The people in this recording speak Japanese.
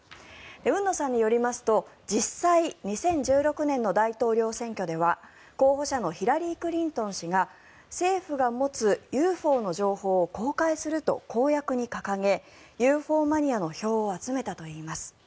海野さんによりますと実際２０１６年の大統領選挙では候補者のヒラリー・クリントン氏が政府が持つＵＦＯの情報を公開すると公約に掲げＵＦＯマニアの票を集めたといいます。